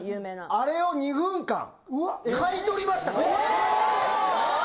あれを２分間、買い取りました。